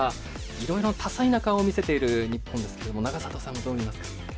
いろいろな多彩な顔を見せている日本ですけども永里さんはどう見ますか？